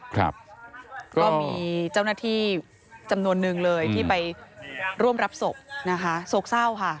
ก็มีเจ้าหน้าที่จำนวนนึงเลยที่ไปร่วมรับศพนะคะโศกเศร้าค่ะ